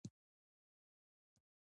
افغانستان د ښتې له مخې پېژندل کېږي.